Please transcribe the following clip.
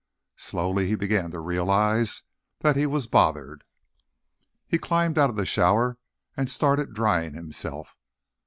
Slowly, he began to realize that he was bothered. He climbed out of the shower and started drying himself.